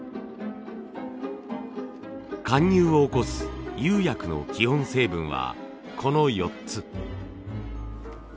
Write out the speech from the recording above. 貫入を起こす釉薬の基本成分はこの４つ。